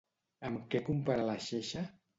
Amb què compara la xeixa?